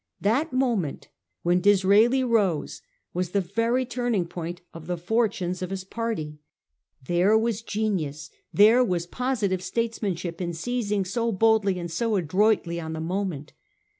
That moment when Disraeli rose was the very turning point of the fortunes of his party. There was genius, there was positive statesmanship in seizing so boldly and so adroitly on the moment.